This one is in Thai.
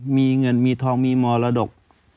มีเงินมีทองมีมรดก